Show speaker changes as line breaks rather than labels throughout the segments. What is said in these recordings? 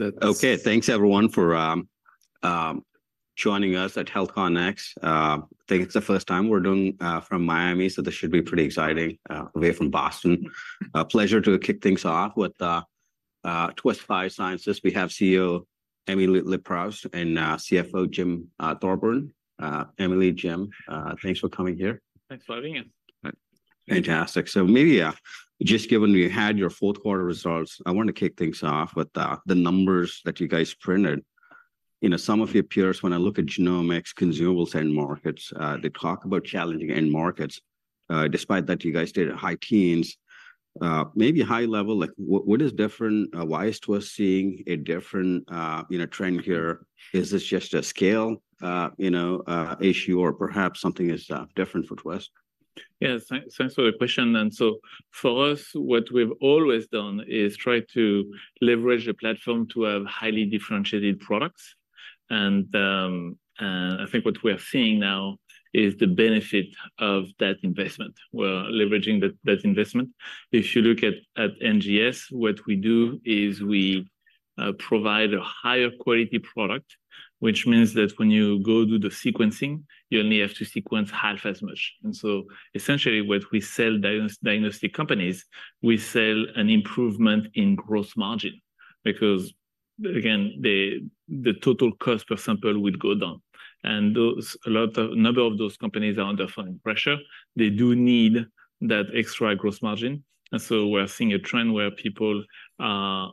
Okay, thanks everyone for joining us at HealthCONx. I think it's the first time we're doing from Miami, so this should be pretty exciting away from Boston. A pleasure to kick things off with Twist Bioscience. We have CEO, Emily Leproust, and CFO, Jim Thorburn. Emily, Jim, thanks for coming here.
Thanks for having us.
Fantastic. So maybe, just given you had your fourth quarter results, I want to kick things off with, the numbers that you guys printed. You know, some of your peers, when I look at genomics, consumables, end markets, they talk about challenging end markets. Despite that, you guys did high teens. Maybe high level, like, what is different? Why is Twist seeing a different, you know, trend here? Is this just a scale, you know, issue, or perhaps something is, different for Twist?
Yeah, thanks, thanks for the question. And so for us, what we've always done is try to leverage the platform to have highly differentiated products. And I think what we are seeing now is the benefit of that investment. We're leveraging that investment. If you look at NGS, what we do is we provide a higher quality product, which means that when you go do the sequencing, you only have to sequence half as much. And so essentially, what we sell diagnostic companies, we sell an improvement in gross margin. Because, again, the total cost per sample would go down, and a number of those companies are under funding pressure. They do need that extra gross margin, and so we're seeing a trend where people are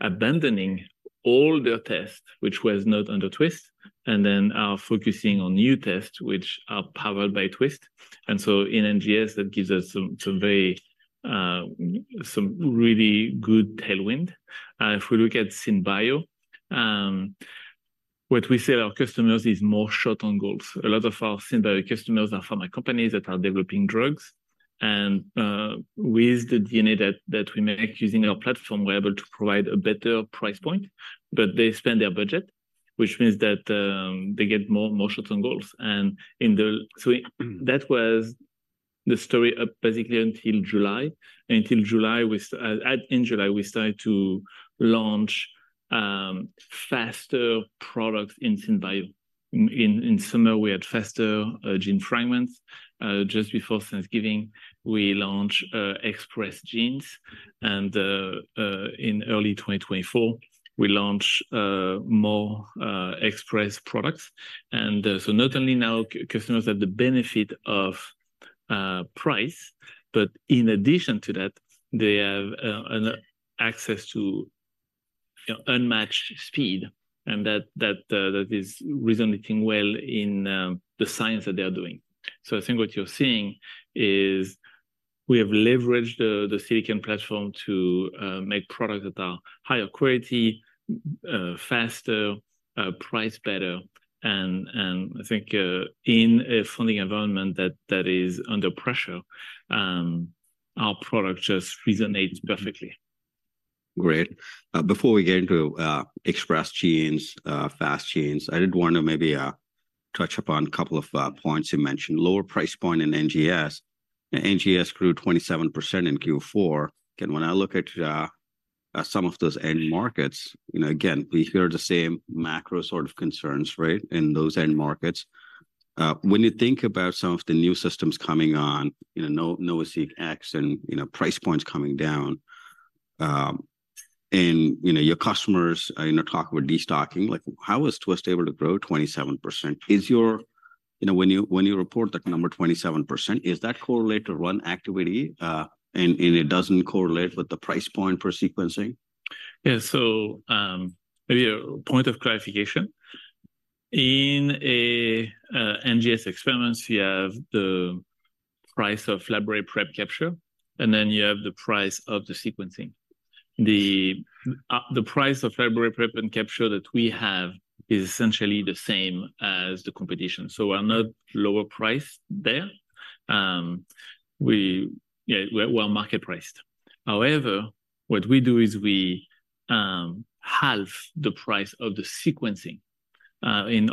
abandoning older tests, which was not under Twist, and then are focusing on new tests, which are powered by Twist. And so in NGS, that gives us some really good tailwind. If we look at SynBio, what we sell our customers is more shot on goals. A lot of our SynBio customers are pharma companies that are developing drugs, and with the DNA that we make using our platform, we're able to provide a better price point. But they spend their budget, which means that they get more shots on goals. So that was the story up basically until July. Until July, in July, we started to launch faster products in SynBio. In summer, we had faster gene fragments. Just before Thanksgiving, we launched Express Genes. In early 2024, we launched more Express products. So not only now customers have the benefit of price, but in addition to that, they have an access to unmatched speed, and that is resonating well in the science that they are doing. So I think what you're seeing is we have leveraged the silicon platform to make products that are higher quality, faster, price better, and I think in a funding environment that is under pressure, our product just resonates perfectly.
Great. Before we get into express genes, fast genes, I did want to maybe touch upon a couple of points you mentioned. Lower price point in NGS. NGS grew 27% in Q4, and when I look at some of those end markets, you know, again, we hear the same macro sort of concerns, right? In those end markets. When you think about some of the new systems coming on, you know, NovaSeq X, and, you know, price points coming down, and, you know, your customers are in a talk about destocking. Like, how is Twist able to grow 27%? Is your- you know, when you, when you report the number 27%, is that correlated to run activity, and it doesn't correlate with the price point for sequencing?
Yeah. So, maybe a point of clarification. In a NGS experiments, you have the price of library prep capture, and then you have the price of the sequencing. The price of library prep and capture that we have is essentially the same as the competition, so we're not lower price there. Yeah, we're market priced. However, what we do is we halve the price of the sequencing. In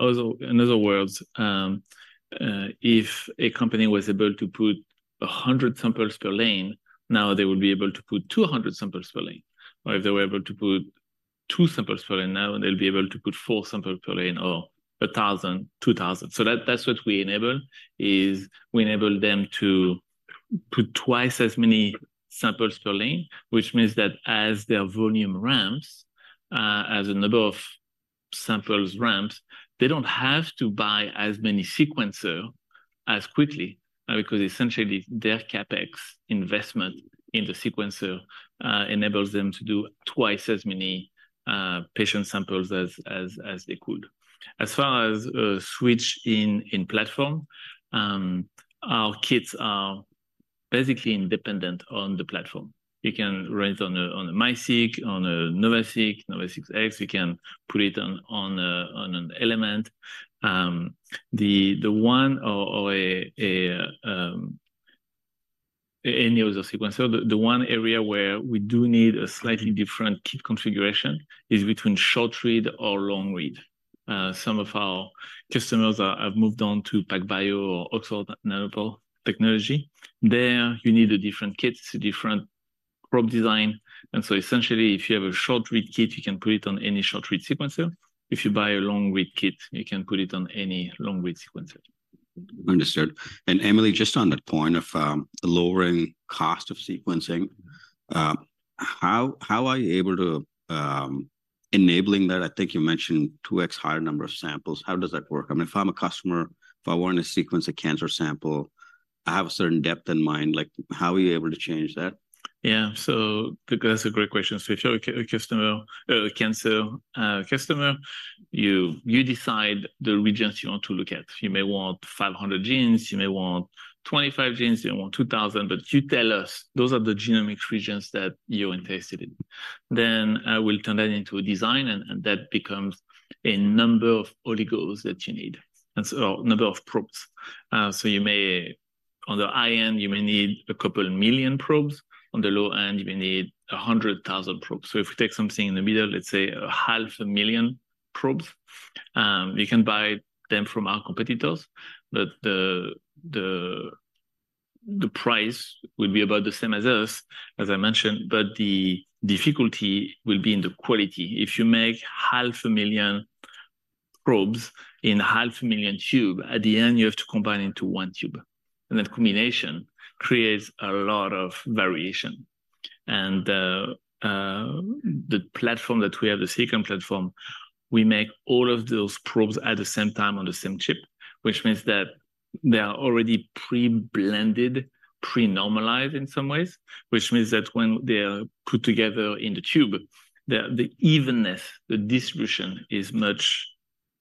other words, if a company was able to put 100 samples per lane, now they would be able to put 200 samples per lane. Or if they were able to put two samples per lane, now they'll be able to put four samples per lane, or 1,000, 2,000. So that, that's what we enable, is we enable them to put twice as many samples per lane, which means that as their volume ramps, as the number of samples ramps, they don't have to buy as many sequencer as quickly. Because essentially, their CapEx investment in the sequencer enables them to do twice as many patient samples as they could. As far as switch in platform, our kits are basically independent on the platform. You can run it on a MiSeq, on a NovaSeq, NovaSeq X. You can put it on an Element, or any other sequencer. The one area where we do need a slightly different kit configuration is between short read or long read. Some of our customers have moved on to PacBio or Oxford Nanopore technology. There, you need a different kit. It's a different probe design. And so essentially, if you have a short-read kit, you can put it on any short-read sequencer. If you buy a long-read kit, you can put it on any long-read sequencer.
Understood. And Emily, just on that point of lowering cost of sequencing, how are you able to enabling that? I think you mentioned 2x higher number of samples. How does that work? I mean, if I'm a customer, if I want to sequence a cancer sample, I have a certain depth in mind, like, how are you able to change that?
Yeah. So that's a great question. So if you're a customer, a cancer customer, you decide the regions you want to look at. You may want 500 genes, you may want 25 genes, you may want 2,000, but you tell us, those are the genomic regions that you're interested in. Then I will turn that into a design, and that becomes a number of oligos that you need, and so a number of probes. So you may, on the high end, you may need a couple million probes. On the low end, you may need 100,000 probes. So if we take something in the middle, let's say 500,000 probes, we can buy them from our competitors, but the price will be about the same as us, as I mentioned, but the difficulty will be in the quality. If you make 500,000 probes in 500,000 tubes, at the end, you have to combine into one tube, and that combination creates a lot of variation. The platform that we have, the silicon platform, we make all of those probes at the same time on the same chip, which means that they are already pre-blended, pre-normalized in some ways, which means that when they are put together in the tube, the evenness, the distribution is much,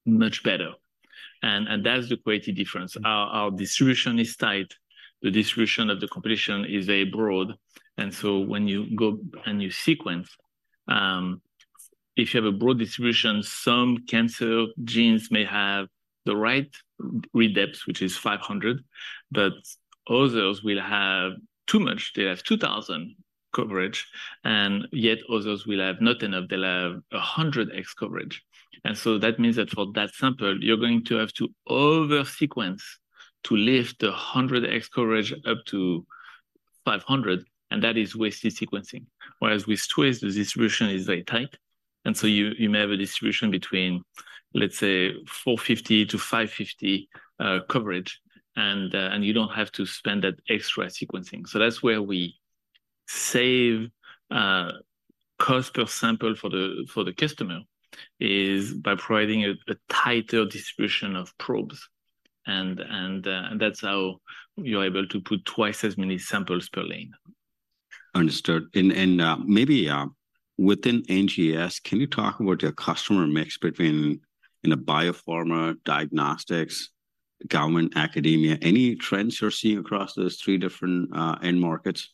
much better. That's the quality difference. Our distribution is tight. The distribution of the competition is very broad. And so when you go and you sequence, if you have a broad distribution, some cancer genes may have the right read depth, which is 500, but others will have too much. They'll have 2,000 coverage, and yet others will have not enough. They'll have a 100X coverage. And so that means that for that sample, you're going to have to over sequence to lift the 100X coverage up to 500, and that is wasted sequencing. Whereas with Twist, the distribution is very tight, and so you, you may have a distribution between, let's say, 450 to 550, coverage, and you don't have to spend that extra sequencing. So that's where we save cost per sample for the customer, is by providing a tighter distribution of probes, and that's how you're able to put twice as many samples per lane.
Understood. And maybe within NGS, can you talk about your customer mix between in a biopharma, diagnostics, government, academia? Any trends you're seeing across those three different end markets?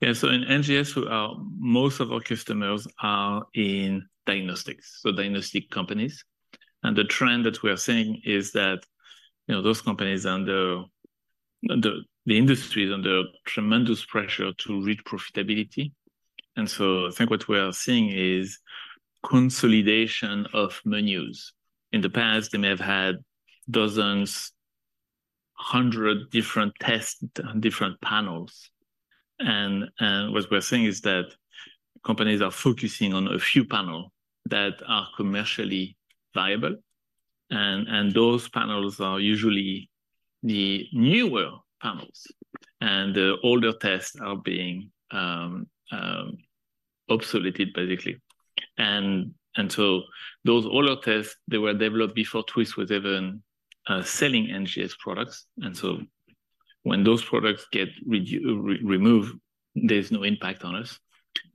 Yeah. So in NGS, we are most of our customers are in diagnostics, so diagnostic companies. And the trend that we are seeing is that, you know, those companies, the industry is under tremendous pressure to reach profitability. And so I think what we are seeing is consolidation of menus. In the past, they may have had dozens, 100 different tests, different panels, and what we're seeing is that companies are focusing on a few panels that are commercially viable, and those panels are usually the newer panels, and the older tests are being obsoleted, basically. And so those older tests, they were developed before Twist was even selling NGS products. And so when those products get removed, there's no impact on us.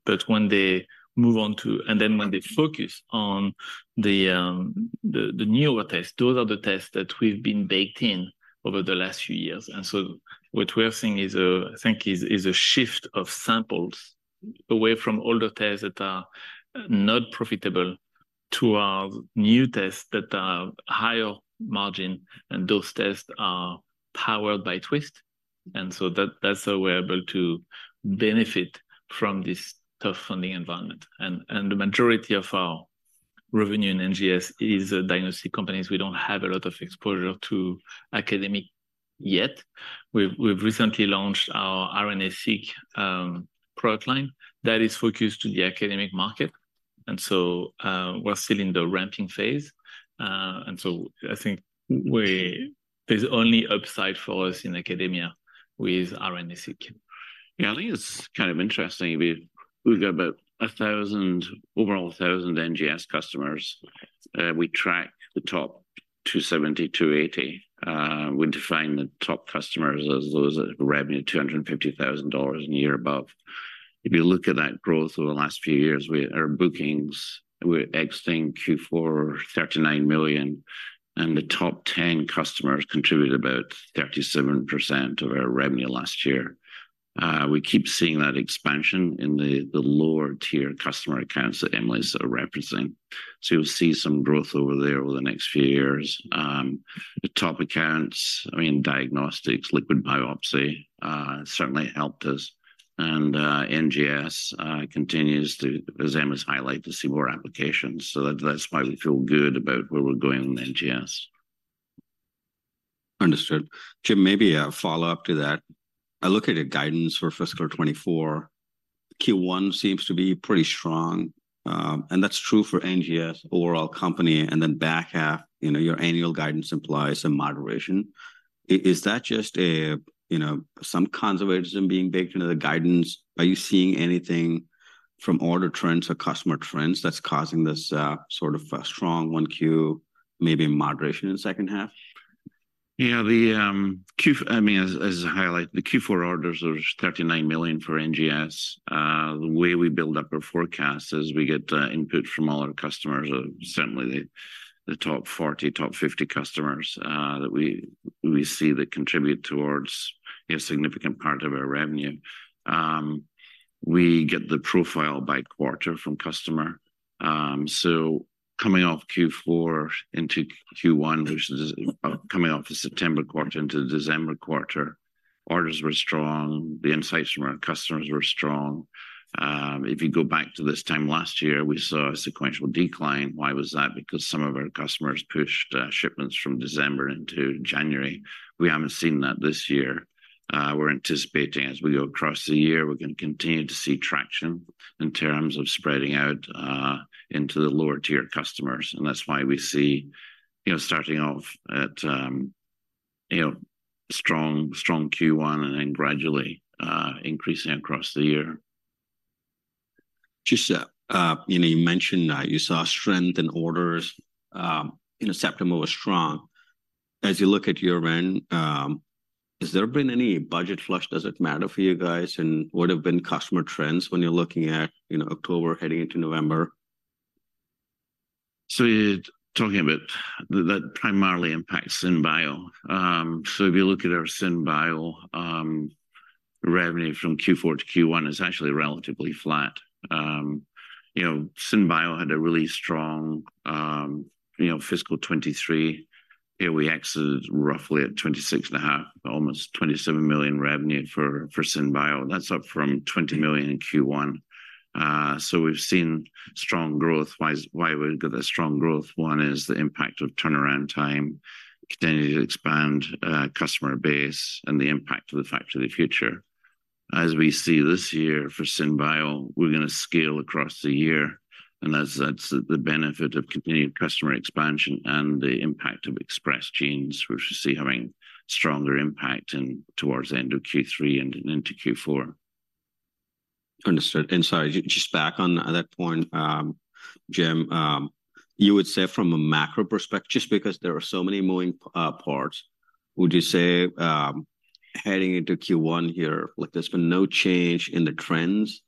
But when they move on to... And then when they focus on the newer tests, those are the tests that we've been baked in over the last few years. And so what we are seeing is a shift of samples away from older tests that are not profitable to our new tests that are higher margin, and those tests are powered by Twist. And so that's how we're able to benefit from this tough funding environment. And the majority of our revenue in NGS is diagnostic companies. We don't have a lot of exposure to academic yet. We've recently launched our RNA-seq product line that is focused to the academic market, and so we're still in the ramping phase. And so I think there's only upside for us in academia with RNA-seq.
Yeah, I think it's kind of interesting. We've got about 1,000, overall 1,000 NGS customers. We track the top 270, 280. We define the top customers as those that revenue $250,000 per year above. If you look at that growth over the last few years, our bookings, we're exiting Q4, $39 million, and the top ten customers contributed about 37% of our revenue last year. We keep seeing that expansion in the lower tier customer accounts that Emily is representing. So you'll see some growth over there over the next few years. The top accounts, I mean, diagnostics, liquid biopsy, certainly helped us, and NGS continues to, as Emily's highlight, see more applications. So that's why we feel good about where we're going with NGS....
Understood. Jim, maybe a follow-up to that. I look at the guidance for fiscal 2024. Q1 seems to be pretty strong, and that's true for NGS overall company, and then back half, you know, your annual guidance implies some moderation. Is that just a, you know, some conservatism being baked into the guidance? Are you seeing anything from order trends or customer trends that's causing this sort of strong Q1, maybe moderation in the second half?
Yeah, the Q4, I mean, as I highlighted, the Q4 orders was $39 million for NGS. The way we build up our forecast is we get input from all our customers, or certainly the top 40, top 50 customers that we see that contribute towards a significant part of our revenue. We get the profile by quarter from customer. So coming off Q4 into Q1, which is coming off the September quarter into the December quarter, orders were strong, the insights from our customers were strong. If you go back to this time last year, we saw a sequential decline. Why was that? Because some of our customers pushed shipments from December into January. We haven't seen that this year. We're anticipating as we go across the year, we're going to continue to see traction in terms of spreading out into the lower tier customers, and that's why we see, you know, starting off at, you know, strong, strong Q1 and then gradually increasing across the year.
Just, you know, you mentioned, you saw strength in orders. You know, September was strong. As you look at year-end, has there been any budget flush, does it matter for you guys? And what have been customer trends when you're looking at, you know, October heading into November?
So you're talking about... That primarily impacts SynBio. So if you look at our SynBio revenue from Q4 to Q1, is actually relatively flat. You know, SynBio had a really strong, you know, fiscal 2023. Here we exited roughly at $26.5 million, almost $27 million revenue for SynBio. That's up from $20 million in Q1. So we've seen strong growth. Why we've got a strong growth? One is the impact of turnaround time, continuing to expand customer base, and the impact of the Factory Future. As we see this year for SynBio, we're going to scale across the year, and that's the benefit of continued customer expansion and the impact of Expressed Genes, which we see having stronger impact in towards the end of Q3 and into Q4.
Understood. And sorry, just back on at that point, Jim, you would say from a macro perspective, just because there are so many moving parts, would you say, heading into Q1 here, like there's been no change in the trends?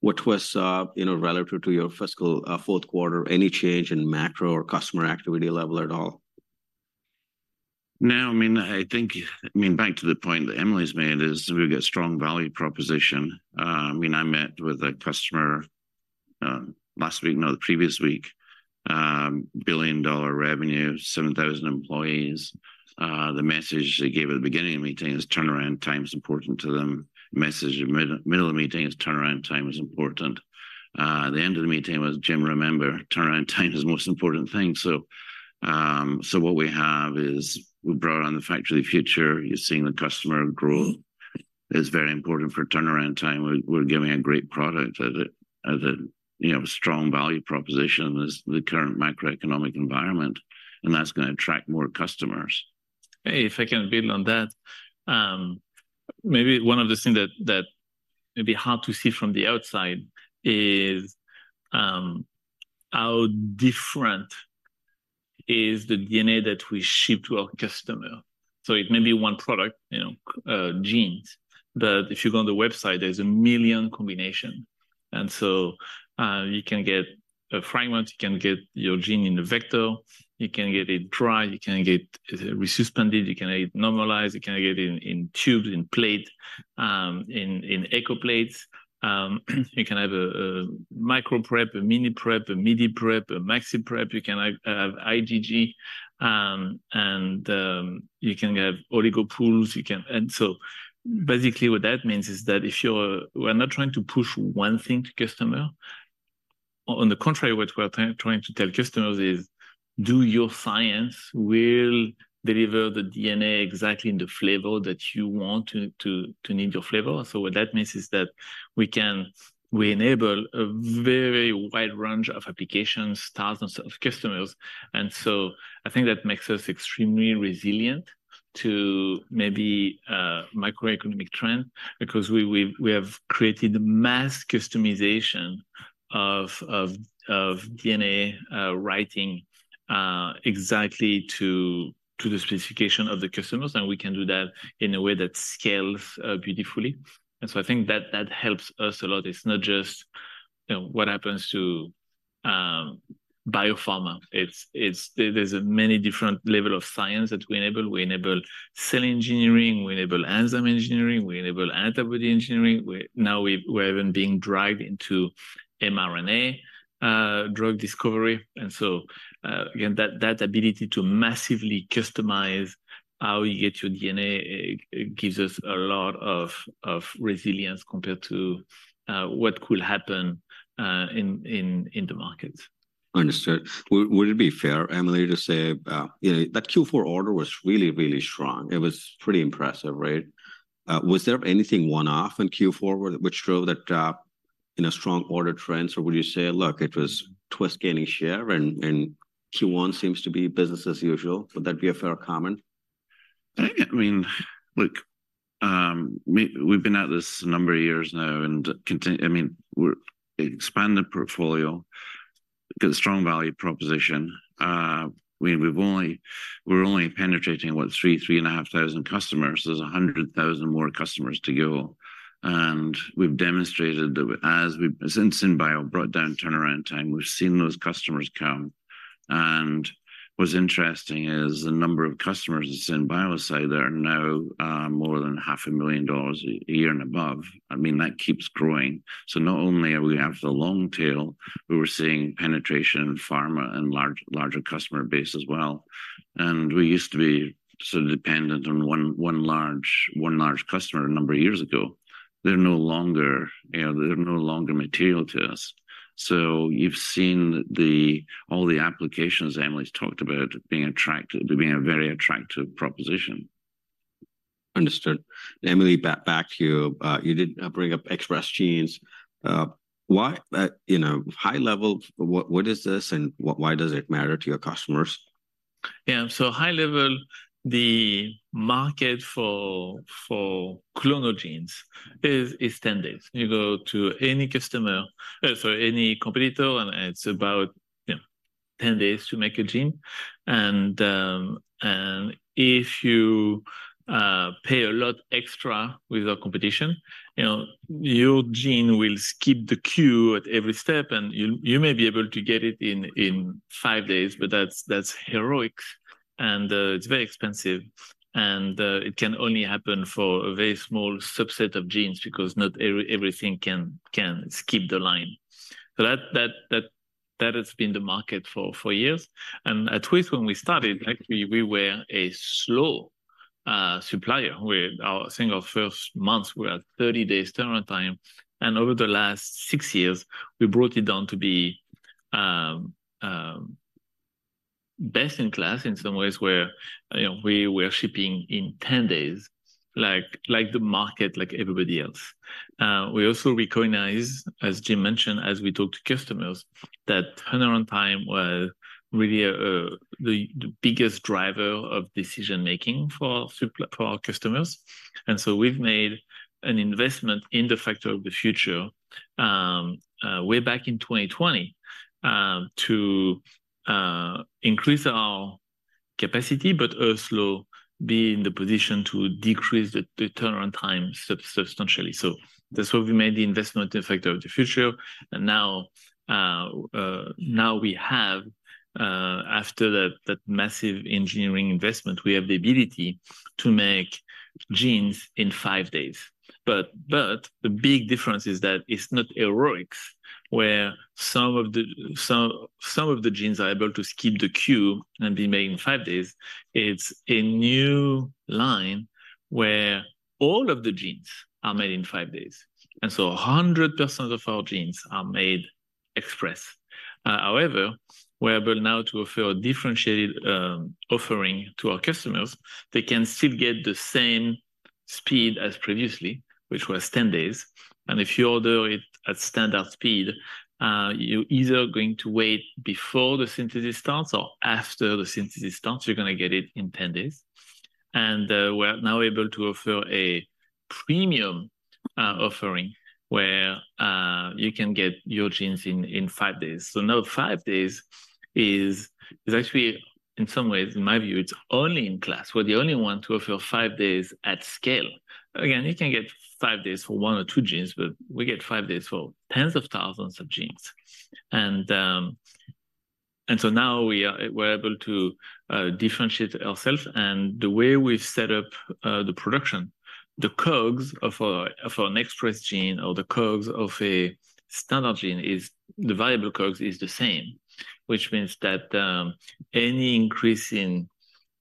What was, you know, relative to your fiscal fourth quarter, any change in macro or customer activity level at all?
No, I mean, I think, I mean, back to the point that Emily's made is we've got strong value proposition. I mean, I met with a customer last week, no, the previous week, billion-dollar revenue, 7,000 employees. The message they gave at the beginning of the meeting is turnaround time is important to them. Message in the middle of the meeting is turnaround time is important. The end of the meeting was, "Jim, remember, turnaround time is the most important thing." So, so what we have is we brought on the Factory Future. You're seeing the customer growth is very important for turnaround time. We're, we're giving a great product at a, at a, you know, a strong value proposition as the current macroeconomic environment, and that's going to attract more customers.
Hey, if I can build on that, maybe one of the things that may be hard to see from the outside is how different is the DNA that we ship to our customer. So it may be one product, you know, genes, but if you go on the website, there's 1 million combinations. And so, you can get a fragment, you can get your gene in a vector, you can get it dry, you can get it resuspended, you can get it normalized, you can get it in tubes, in plate, in echo plates. You can have a micro prep, a mini prep, a midi prep, a maxi prep. You can have IgG, and you can have oligo pools. And so basically, what that means is that we're not trying to push one thing to customer. On the contrary, what we're trying to tell customers is, "Do your science. We'll deliver the DNA exactly in the flavor that you want to need your flavor." So what that means is that we can enable a very wide range of applications, thousands of customers. And so I think that makes us extremely resilient to maybe macroeconomic trend, because we have created mass customization of DNA writing exactly to the specification of the customers, and we can do that in a way that scales beautifully. And so I think that helps us a lot. It's not just, you know, what happens to biopharma. It's there's many different level of science that we enable. We enable cell engineering, we enable enzyme engineering, we enable antibody engineering. We now we're even being dragged into mRNA drug discovery. And so, again, that ability to massively customize how you get your DNA, it gives us a lot of resilience compared to what could happen in the markets.
Understood. Would it be fair, Emily, to say, you know, that Q4 order was really, really strong. It was pretty impressive, right? Was there anything one-off in Q4 which showed that in a strong order trend, or would you say, look, it was Twist gaining share, and Q1 seems to be business as usual? Would that be a fair comment?
I mean, look, we've been at this a number of years now, and I mean, we're expand the portfolio, get a strong value proposition. We're only penetrating, what, 3-3.5 thousand customers. There's 100,000 more customers to go. And we've demonstrated that since SynBio brought down turnaround time, we've seen those customers come. And what's interesting is the number of customers at SynBio, say, there are now more than $500,000 a year and above. I mean, that keeps growing. So not only are we have the long tail, we were seeing penetration in pharma and larger customer base as well. And we used to be sort of dependent on one large customer a number of years ago. They're no longer, you know, they're no longer material to us. So you've seen all the applications Emily's talked about being attractive, being a very attractive proposition.
Understood. Emily, back to you. You did bring up Express Genes. Why, you know, high level, what is this, and why does it matter to your customers?
Yeah, so high level, the market for clonal genes is 10 days. You go to any customer, sorry, any competitor, and it's about, you know, 10 days to make a gene. And if you pay a lot extra with our competition, you know, your gene will skip the queue at every step, and you may be able to get it in 5 days, but that's heroic, and it's very expensive, and it can only happen for a very small subset of genes because not everything can skip the line. So that has been the market for years. And at Twist, when we started, actually, we were a slow supplier. Our, I think our first month, we had 30 days turnaround time, and over the last six years, we brought it down to be best in class in some ways where, you know, we were shipping in 10 days, like, like the market, like everybody else. We also recognize, as Jim mentioned, as we talk to customers, that turnaround time was really the biggest driver of decision-making for our customers. And so we've made an investment in the factory of the future way back in 2020 to increase our capacity, but also be in the position to decrease the turnaround time substantially. So that's why we made the investment in factory of the future, and now, now we have, after that massive engineering investment, we have the ability to make genes in five days. But the big difference is that it's not heroic, where some of the genes are able to skip the queue and be made in five days. It's a new line where all of the genes are made in five days, and so 100% of our genes are made express. However, we're able now to offer a differentiated offering to our customers. They can still get the same speed as previously, which was 10 days, and if you order it at standard speed, you're either going to wait before the synthesis starts or after the synthesis starts, you're gonna get it in 10 days. We're now able to offer a premium offering, where you can get your genes in five days. So now, five days is actually, in some ways, in my view, it's only in class. We're the only one to offer five days at scale. Again, you can get five days for one or two genes, but we get five days for tens of thousands of genes. And so now we're able to differentiate ourselves, and the way we've set up the production, the COGS of an express gene or the COGS of a standard gene is the variable COGS is the same, which means that any increase in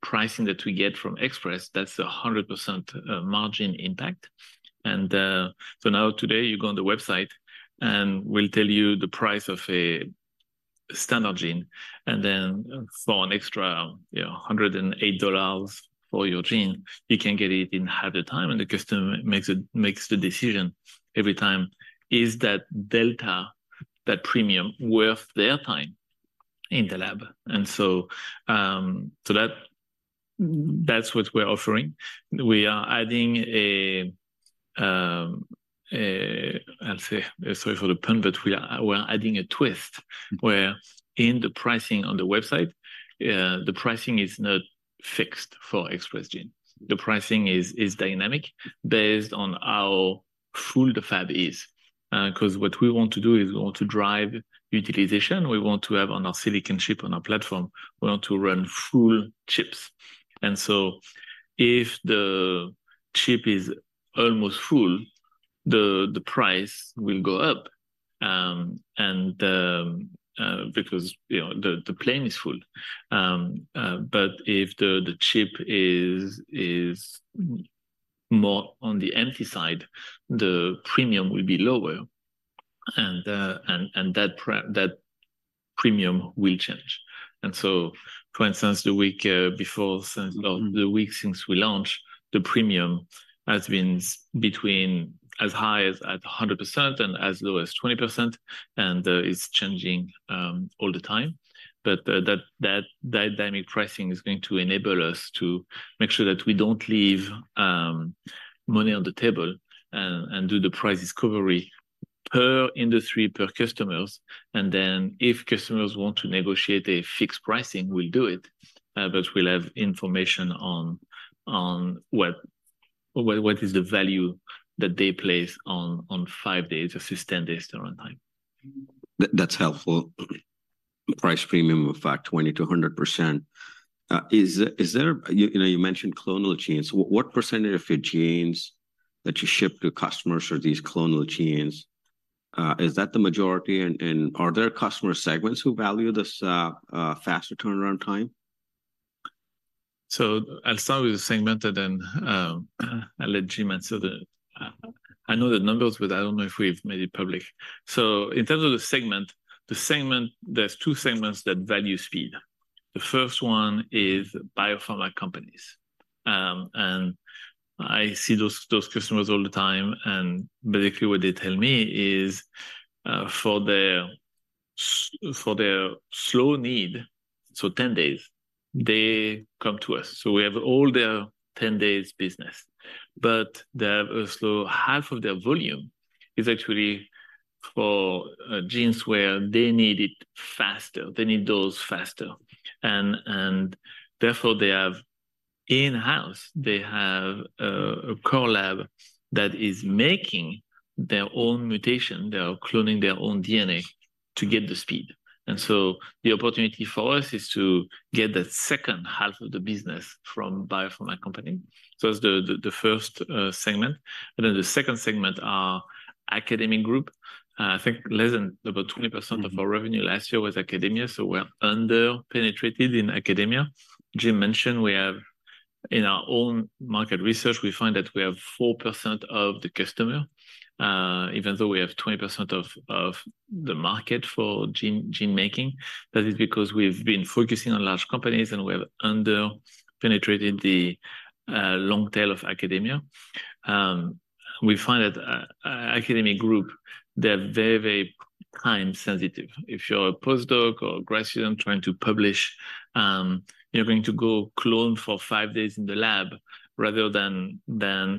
pricing that we get from express, that's 100% margin impact. So now today, you go on the website, and we'll tell you the price of a standard gene, and then for an extra, you know, $108 for your gene, you can get it in half the time, and the customer makes the decision every time, is that delta, that premium, worth their time in the lab? So that's what we're offering. We are adding a, I'll say, sorry for the pun, but we're adding a twist, where in the pricing on the website, the pricing is not fixed for express gene. The pricing is dynamic, based on how full the fab is. 'Cause what we want to do is we want to drive utilization. We want to have on our silicon chip, on our platform, we want to run full chips. And so if the chip is almost full, the price will go up, and because, you know, the plane is full. But if the chip is more on the empty side, the premium will be lower. And that premium will change. And so, for instance, the week before or the week since we launched, the premium has been between as high as 100% and as low as 20%, and it's changing all the time. But that dynamic pricing is going to enable us to make sure that we don't leave money on the table and do the price discovery per industry, per customers. And then if customers want to negotiate a fixed pricing, we'll do it, but we'll have information on what is the value that they place on 5 days versus 10 days turnaround time.
That, that's helpful. Price premium, in fact, 20%-100%. Is there. You know, you mentioned clonal genes. What percentage of your genes that you ship to customers are these clonal genes? Is that the majority, and are there customer segments who value this faster turnaround time?
So I'll start with the segment and I'll let Jim answer the... I know the numbers, but I don't know if we've made it public. So in terms of the segment, the segment—there's two segments that value speed. The first one is biopharma companies. And I see those customers all the time, and basically what they tell me is, for their slow need, so 10 days, they come to us. So we have all their 10 days business. But they have also half of their volume is actually for genes where they need it faster, they need those faster. And therefore, they have in-house, they have a core lab that is making their own mutation, they are cloning their own DNA to get the speed. And so the opportunity for us is to get that second half of the business from biopharma company. So that's the first segment. And then the second segment are academic group. I think less than about 20% of our revenue last year was academia, so we're under-penetrated in academia. Jim mentioned we have, in our own market research, we find that we have 4% of the customer, even though we have 20% of the market for gene making. That is because we've been focusing on large companies, and we have under-penetrated the long tail of academia. We find that a academic group, they're very, very time sensitive. If you're a postdoc or a grad student trying to publish, you're going to go clone for five days in the lab rather than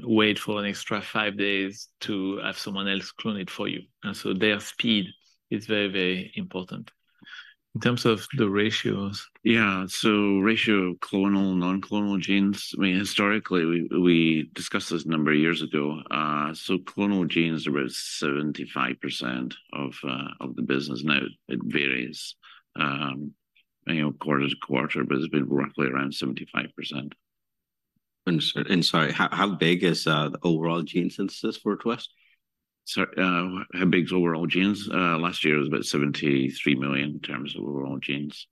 wait for an extra five days to have someone else clone it for you. And so their speed is very, very important. In terms of the ratios-
Yeah, so ratio clonal, non-clonal genes, I mean, historically, we discussed this a number of years ago. So clonal genes are about 75% of the business. Now, it varies, you know, quarter to quarter, but it's been roughly around 75%.
Sorry, how big is the overall gene synthesis for Twist?
So, how big is overall genes? Last year it was about $73 million in terms of overall genes.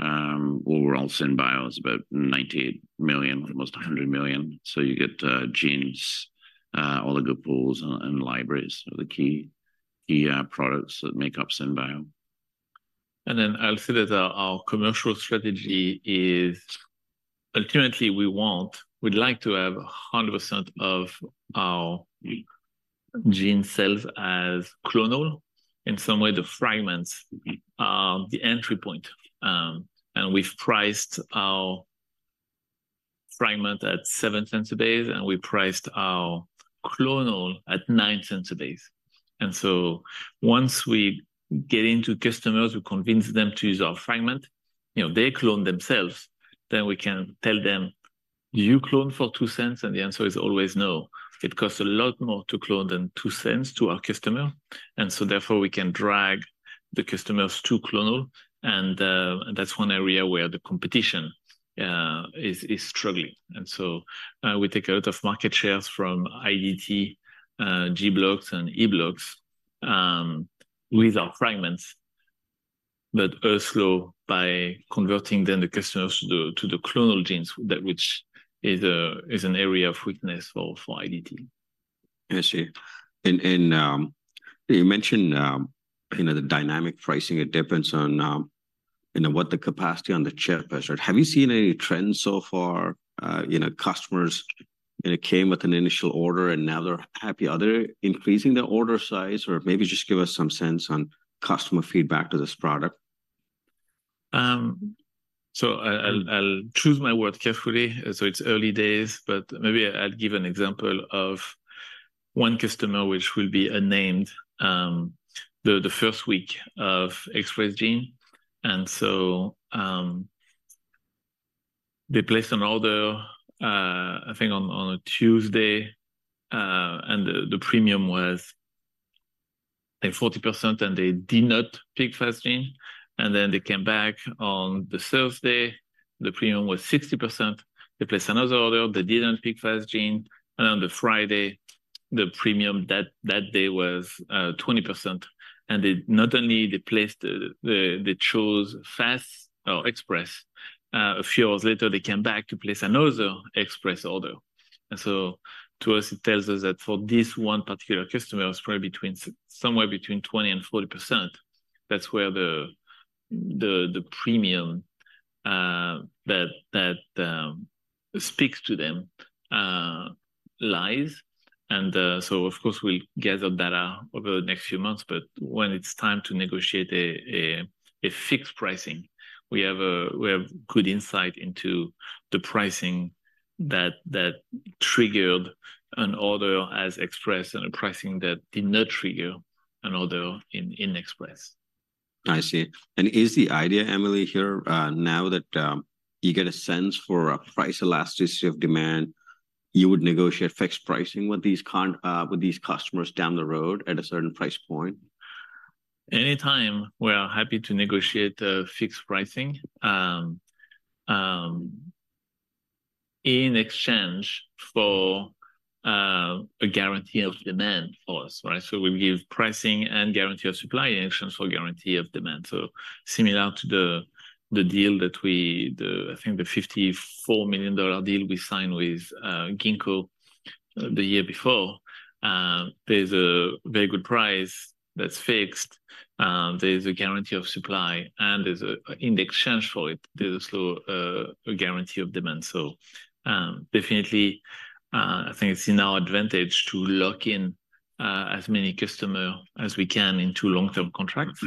Overall SynBio is about $98 million, almost $100 million. So you get, genes, oligo pools and libraries are the key products that make up SynBio.
Then I'll say that our commercial strategy is ultimately we want—we'd like to have 100% of our gene sales as clonal. In some way, the fragments are the entry point. And we've priced our fragment at $0.07 a base, and we priced our clonal at $0.09 a base. And so once we get into customers, we convince them to use our fragment, you know, they clone themselves, then we can tell them, "Do you clone for $0.02?" And the answer is always no. It costs a lot more to clone than $0.02 to our customer, and so therefore, we can drag the customers to clonal, and that's one area where the competition is struggling. So, we take a lot of market shares from IDT, gBlocks and eBlocks, with our fragments, but also by converting then the customers to the clonal genes, that is an area of weakness for IDT.
I see. And you mentioned, you know, the dynamic pricing, it depends on, you know, what the capacity on the chip is. Have you seen any trends so far, you know, customers, you know, came with an initial order and now they're happy. Are they increasing their order size? Or maybe just give us some sense on customer feedback to this product?
So I'll choose my word carefully, so it's early days, but maybe I'll give an example of one customer, which will be unnamed. The first week of Express Gene, and so they placed an order, I think on a Tuesday, and the premium was 40%, and they did not pick Fast Gene. And then they came back on the Thursday, the premium was 60%. They placed another order, they didn't pick Fast Gene, and on the Friday, the premium that day was 20%. And they not only placed the, they chose Fast or Express, a few hours later, they came back to place another Express order. And so to us, it tells us that for this one particular customer, it was probably between somewhere between 20%-40%. That's where the premium that speaks to them lies. And so of course, we'll gather data over the next few months, but when it's time to negotiate a fixed pricing, we have good insight into the pricing that triggered an order as expressed, and a pricing that did not trigger an order in Express.
I see. And is the idea, Emily, here, now that you get a sense for a price elasticity of demand, you would negotiate fixed pricing with these customers down the road at a certain price point?
Anytime we are happy to negotiate a fixed pricing in exchange for a guarantee of demand for us, right? So we give pricing and guarantee of supply in exchange for guarantee of demand. So similar to the deal that we—the $54 million deal we signed with Ginkgo the year before. There's a very good price that's fixed, there's a guarantee of supply, and in exchange for it, there's also a guarantee of demand. So, definitely, I think it's in our advantage to lock in as many customers as we can into long-term contracts-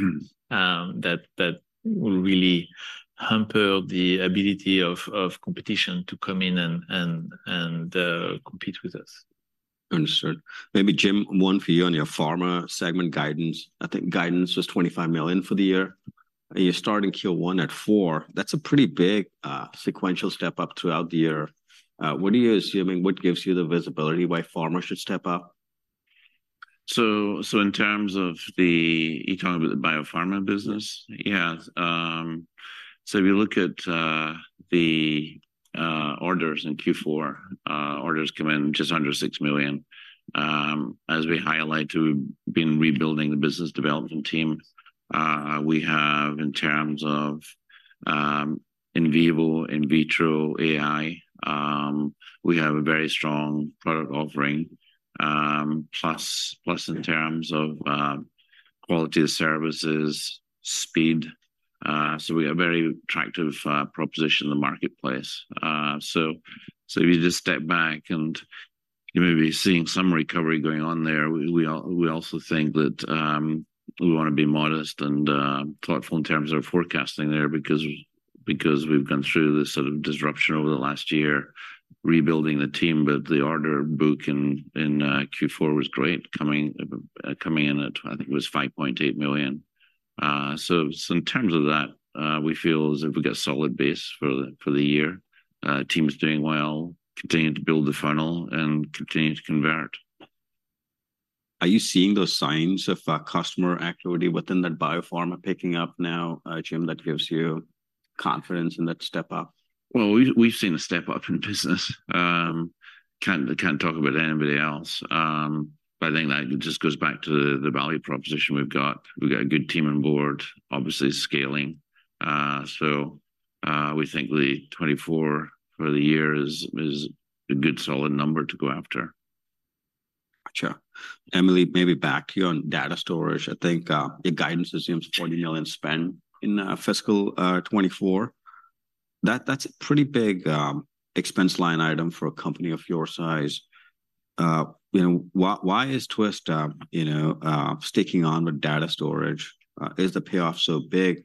Mm-hmm.
that will really hamper the ability of competition to come in and compete with us.
Understood. Maybe Jim, one for you on your pharma segment guidance. I think guidance was $25 million for the year, and you're starting Q1 at $4 million. That's a pretty big, sequential step up throughout the year. What are you assuming? What gives you the visibility why pharma should step up?
So, in terms of the, you're talking about the biopharma business?
Yes.
Yeah. So if you look at the orders in Q4, orders come in just under $6 million. As we highlight, we've been rebuilding the business development team. We have, in terms of in vivo, in vitro AI, a very strong product offering. Plus in terms of quality of services, speed. So we are very attractive proposition in the marketplace. So if you just step back and you may be seeing some recovery going on there, we also think that we wanna be modest and thoughtful in terms of forecasting there, because we've gone through this sort of disruption over the last year, rebuilding the team. But the order book in Q4 was great, coming in at, I think it was $5.8 million. So in terms of that, we feel as if we've got a solid base for the year. Team is doing well, continuing to build the funnel and continuing to convert.
Are you seeing those signs of customer activity within that biopharma picking up now, Jim, that gives you confidence in that step up?
Well, we've seen a step up in business. Can't talk about anybody else. But I think that just goes back to the value proposition we've got. We've got a good team on board, obviously scaling. So, we think the 2024 for the year is a good, solid number to go after.
Gotcha. Emily, maybe back to you on data storage. I think, your guidance assumes $40 million spend in fiscal 2024. That, that's a pretty big expense line item for a company of your size. You know, why, why is Twist you know sticking on with data storage? Is the payoff so big?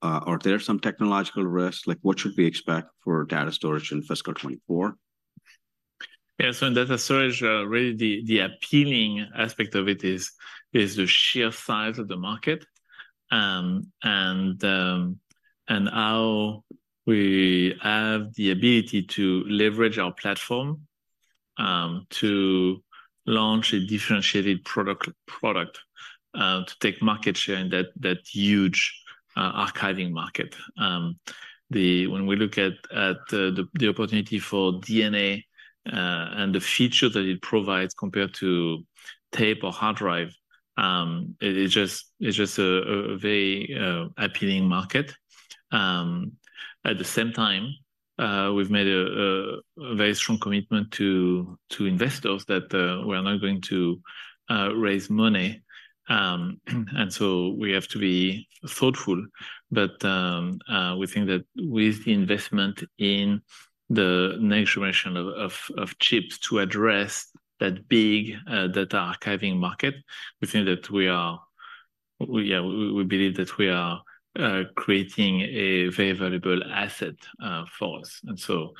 Are there some technological risks? Like, what should we expect for data storage in fiscal 2024?
Yeah. So in data storage, really the appealing aspect of it is the sheer size of the market, and how we have the ability to leverage our platform to launch a differentiated product to take market share in that huge archiving market. When we look at the opportunity for DNA and the feature that it provides compared to tape or hard drive, it is just, it's just a very appealing market. At the same time, we've made a very strong commitment to investors that we are not going to raise money, and so we have to be thoughtful. But, we think that with the investment in the next generation of chips to address that big data archiving market, we believe that we are creating a very valuable asset for us. And so,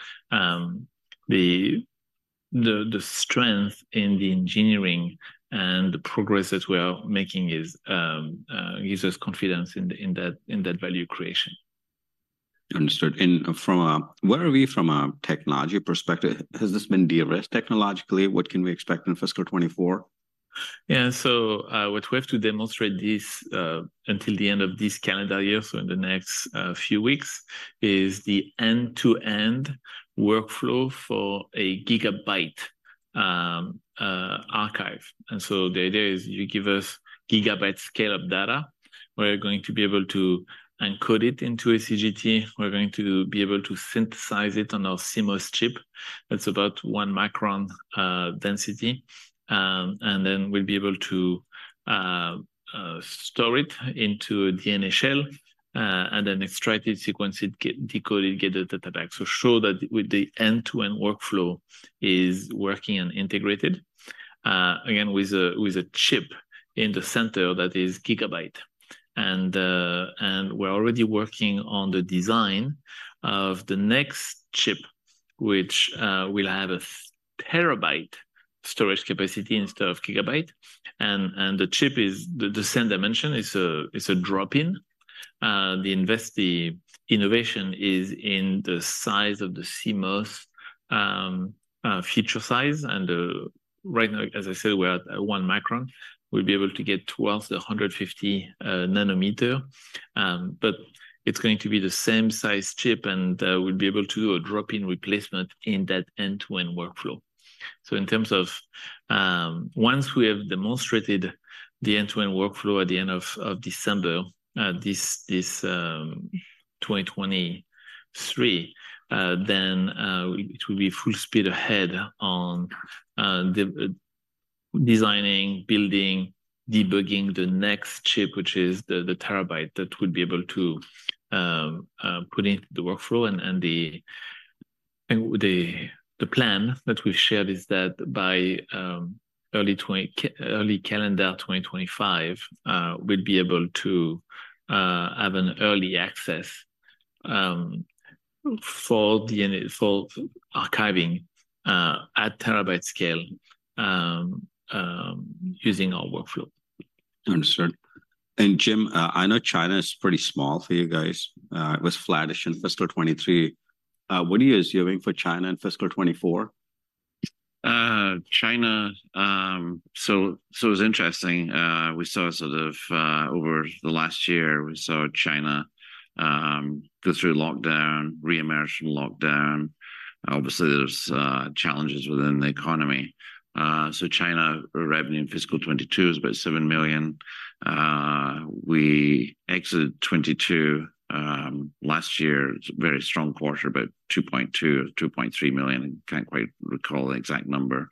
the strength in the engineering and the progress that we are making gives us confidence in that value creation.
Understood. And from where are we from a technology perspective? Has this been de-risked technologically? What can we expect in fiscal 2024?
Yeah. So, what we have to demonstrate this until the end of this calendar year, so in the next few weeks, is the end-to-end workflow for a gigabyte archive. And so the idea is, you give us gigabyte scale of data, we're going to be able to encode it into A, C, G, T. We're going to be able to synthesize it on our CMOS chip. That's about 1 micron density. And then we'll be able to store it into DNA shell, and then extract it, sequence it, decode it, get the data back. So show that with the end-to-end workflow is working and integrated, again, with a chip in the center that is gigabyte. And we're already working on the design of the next chip, which will have a terabyte storage capacity instead of gigabyte. And the chip is the same dimension. It's a drop-in. The innovation is in the size of the CMOS feature size. And right now, as I said, we're at 1 micron. We'll be able to get towards the 150 nanometer. But it's going to be the same size chip, and we'll be able to do a drop-in replacement in that end-to-end workflow. So in terms of once we have demonstrated the end-to-end workflow at the end of December 2023, then it will be full speed ahead on the designing, building, debugging the next chip, which is the terabyte that would be able to put into the workflow. The plan that we've shared is that by early calendar 2025, we'll be able to have an early access for archiving at terabyte scale using our workflow.
Understood. Jim, I know China is pretty small for you guys. It was flattish in fiscal 2023. What are you assuming for China in fiscal 2024?
China, so, so it's interesting. We saw sort of, over the last year, we saw China, go through lockdown, reemerge from lockdown. Obviously, there's, challenges within the economy. So China revenue in fiscal 2022 is about $7 million. We exited 2022, last year, very strong quarter, about $2.2 or $2.3 million, I can't quite recall the exact number,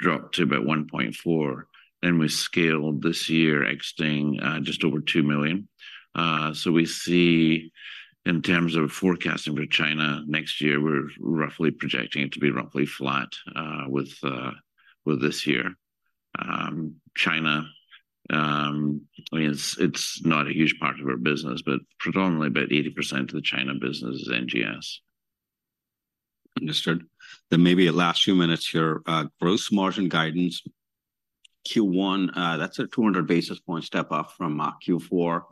dropped to about $1.4. Then we scaled this year, exiting, just over $2 million. So we see in terms of forecasting for China next year, we're roughly projecting it to be roughly flat, with, with this year. China, I mean, it's, it's not a huge part of our business, but predominantly about 80% of the China business is NGS.
Understood. Then maybe the last few minutes here, gross margin guidance, Q1, that's a 200 basis point step up from Q4.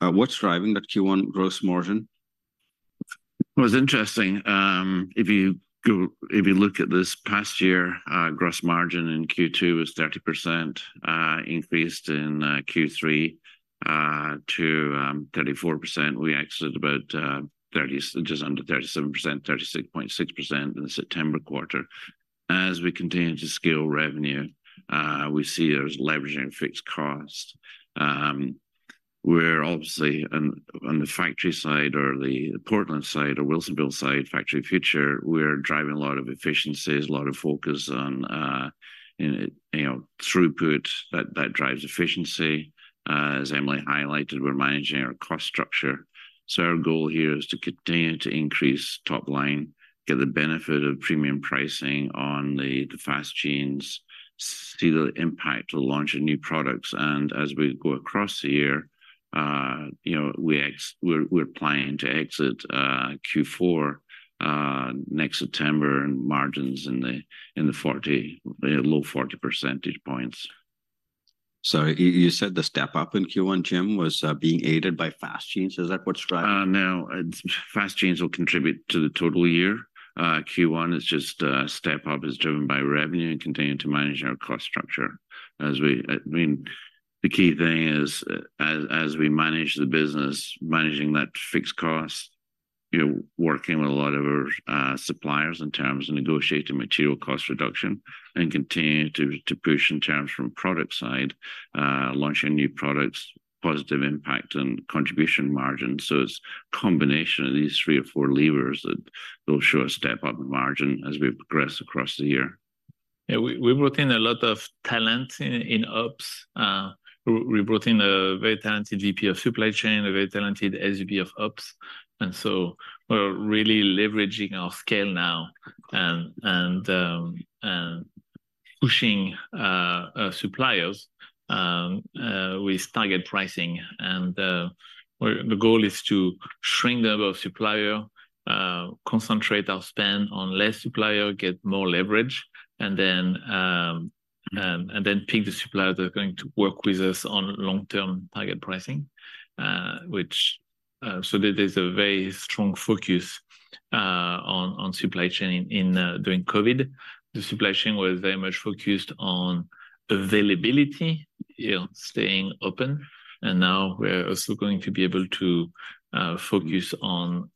What's driving that Q1 gross margin?
Well, it's interesting. If you go, if you look at this past year, gross margin in Q2 was 30%, increased in Q3 to 34%. We exited about 30, just under 37%, 36.6% in the September quarter. As we continue to scale revenue, we see there's leveraging fixed cost. We're obviously on the factory side or the Portland side or Wilsonville side, Factory Future, we're driving a lot of efficiencies, a lot of focus on, you know, throughput that drives efficiency. As Emily highlighted, we're managing our cost structure. So our goal here is to continue to increase top line, get the benefit of premium pricing on the fast genes, see the impact of launching new products. As we go across the year, you know, we're planning to exit Q4 next September, and margins in the low 40 percentage points.
So you said the step up in Q1, Jim, was being aided by Express Genes. Is that what's driving?
No. It's fast genes will contribute to the total year. Q1 is just a step up, is driven by revenue and continuing to manage our cost structure. As we, I mean, the key thing is, as we manage the business, managing that fixed cost, you know, working with a lot of our suppliers in terms of negotiating material cost reduction and continuing to push in terms from product side, launching new products, positive impact and contribution margin. So it's a combination of these three or four levers that will show a step up in margin as we progress across the year.
Yeah, we brought in a lot of talent in ops. We brought in a very talented VP of supply chain, a very talented SVP of ops, and so we're really leveraging our scale now and pushing suppliers with target pricing. Well, the goal is to shrink the number of supplier, concentrate our spend on less supplier, get more leverage, and then pick the suppliers that are going to work with us on long-term target pricing. So there is a very strong focus on supply chain during COVID, the supply chain was very much focused on availability, you know, staying open, and now we're also going to be able to focus on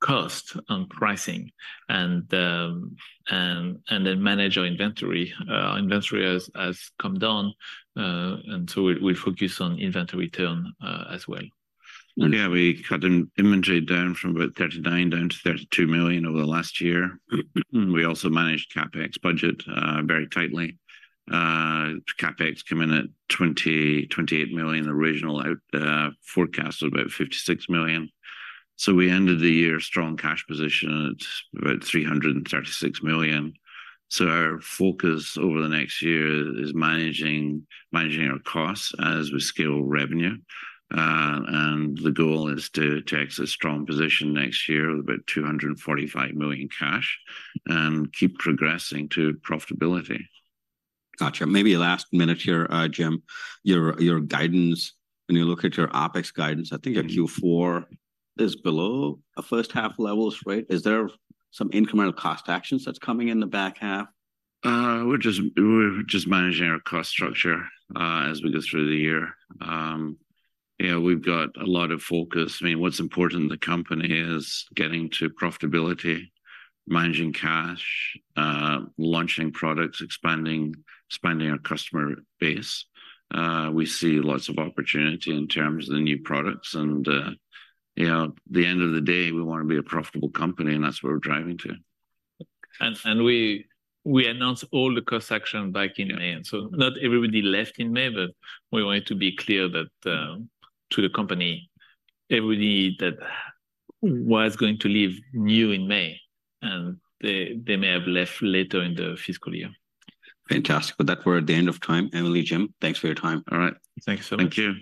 cost and pricing and then manage our inventory. Inventory has come down, and so we focus on inventory turn, as well.
Yeah, we cut inventory down from about $39 million down to $32 million over the last year. We also managed CapEx budget very tightly. CapEx come in at $28 million. The original forecast was about $56 million. So we ended the year strong cash position at about $336 million. So our focus over the next year is managing our costs as we scale revenue. And the goal is to exit strong position next year with about $245 million cash and keep progressing to profitability.
Gotcha. Maybe last minute here, Jim, your guidance, when you look at your OpEx guidance, I think your Q4 is below a first half levels, right? Is there some incremental cost actions that's coming in the back half?
We're just, we're just managing our cost structure, as we go through the year. Yeah, we've got a lot of focus. I mean, what's important to the company is getting to profitability, managing cash, launching products, expanding, expanding our customer base. We see lots of opportunity in terms of the new products, and, you know, at the end of the day, we want to be a profitable company, and that's what we're driving to.
We announced all the cost action back in May. So not everybody left in May, but we wanted to be clear that to the company, everybody that was going to leave knew in May, and they may have left later in the fiscal year.
Fantastic. With that, we're at the end of time. Emily, Jim, thanks for your time. All right.
Thank you so much.
Thank you.